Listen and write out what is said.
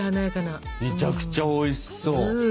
めちゃくちゃおいしそう！